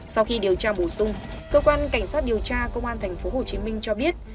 sau khi điều tra bổ sung cơ quan cảnh sát điều tra công an tp hcm cho biết